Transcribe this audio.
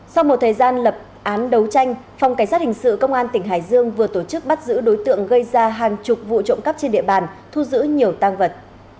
sau một thời gian lập án đấu tranh phòng cảnh sát hình sự công an tỉnh hải dương vừa tổ chức bắt giữ đối tượng gây ra hàng chục vụ trộm cắp trên địa bàn thu giữ nhiều tăng vật